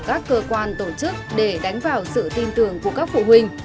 các cơ quan tổ chức để đánh vào sự tin tưởng của các phụ huynh